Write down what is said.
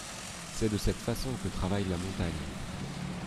C’est de cette façon que travaille la montagne.